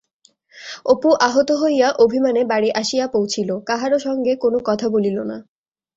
অপু আহত হইয়া অভিমানে বাড়ি আসিয়া পৌঁছিল, কাহারও সঙ্গে কোনো কথা বলিল না।